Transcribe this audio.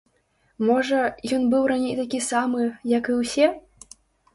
Можа ён быў раней такі самы, як і ўсе?